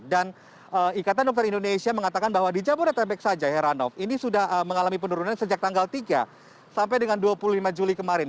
dan ikatan dokter indonesia mengatakan bahwa di jabodetabek saja heranov ini sudah mengalami penurunan sejak tanggal tiga sampai dengan dua puluh lima juli kemarin